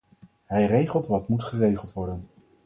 Hij regelt wat moet geregeld worden.